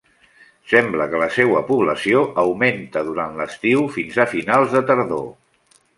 Sembla que la seua població augmenta durant l'estiu fins a finals de tardor.